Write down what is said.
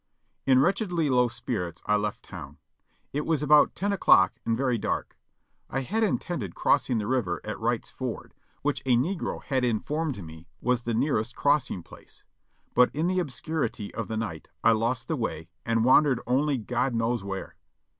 In wretchedly low spirits I left town. It was about ten o'clock and very dark. I had intended crossing the river at Wright's Ford, which a negro had informed me was the nearest crossing place, but in the obscurity of the night I lost the way and wan dered only God knows where.